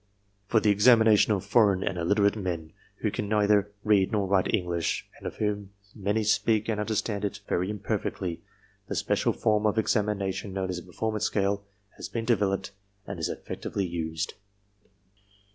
For the examination of foreign and illiterate men who can 16 ARMY MENTAL TESTS neither read nor write English and of whom many speak and understand it very imperfectly, the special form of examination known as the performance scale, has been developed and is effectively used.